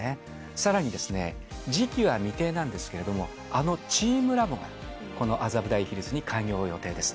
さらに時期は未定なんですけれども、あのチームラボが、この麻布台ヒルズに開業予定です。